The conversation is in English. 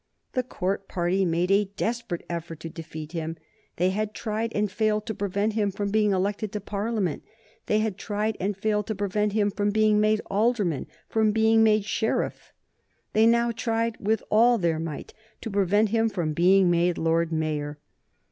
The Court party made a desperate effort to defeat him. They had tried and failed to prevent him from being elected to Parliament. They had tried and failed to prevent him from being made alderman, from being made sheriff. They now tried with all their might to prevent him from being made Lord Mayor.